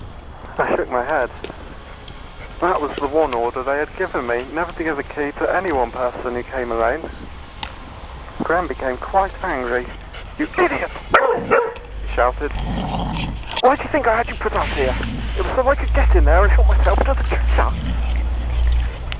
I shook my head. That was the one order they had given me never to give the Key to any one person who came alone. Gremm became quite angry. "You idiot," he shouted. "Why do you think I had you put out here? It was so I could get in there and help myself to the Treasure."